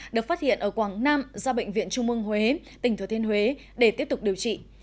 được phát hiện ở quảng nam ra bệnh viện trung mương huế tỉnh thừa thiên huế để tiếp tục điều trị